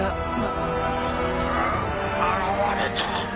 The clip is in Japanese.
あ現れた。